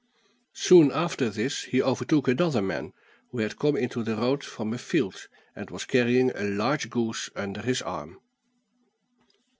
Soon after this, he overtook another man, who had come into the road from a field, and was carrying a large goose under his arm.